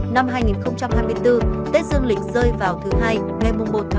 năm hai nghìn hai mươi bốn tết dương lịch rơi vào thứ hai ngày một một hai nghìn hai mươi bốn